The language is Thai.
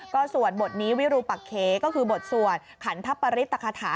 ก็สวดบทนี้วิรุปเกคือบทสวดคัณธปริศตะคะถา